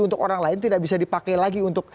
untuk orang lain tidak bisa dipakai lagi untuk